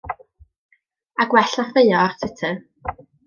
A gwell na ffraeo ar Twitter.